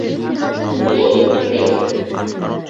হেই, Jerry.